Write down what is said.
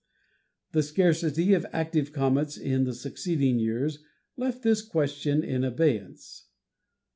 The scarcity of active comets in the succeeding years left this question in abeyance.